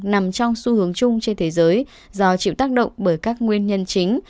nằm trong xu hướng chung trên thế giới do chịu tác động bởi các nguyên nhân chính